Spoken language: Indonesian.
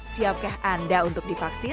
siapkah anda untuk divaksin